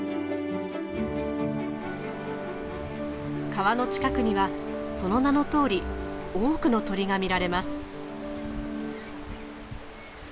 川の近くにはその名のとおり多くの鳥が見られます。